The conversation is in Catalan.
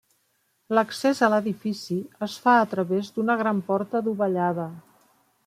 L'accés a l'edifici es fa a través d'una gran porta adovellada.